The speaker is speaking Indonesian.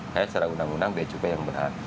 saya serah undang undang bea cukai yang berat